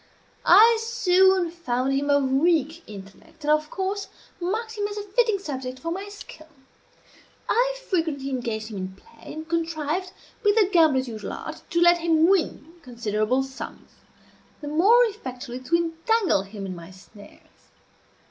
I soon found him of weak intellect, and of course marked him as a fitting subject for my skill. I frequently engaged him in play, and contrived, with the gambler's usual art, to let him win considerable sums, the more effectually to entangle him in my snares.